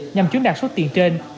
nhằm chuyến đạt số tiền trên